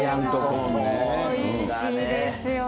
おいしいですよね。